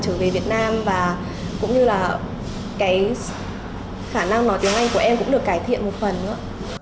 trở về việt nam và cũng như là cái khả năng nói tiếng anh của em cũng được cải thiện một phần nữa